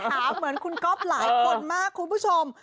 เหมือนคุณก๊อฟหลายคนมากคุณผู้ชม